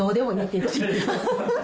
ハハハ！